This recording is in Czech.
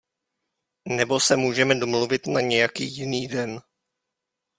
Nebo se můžeme domluvit na nějaký jiný den.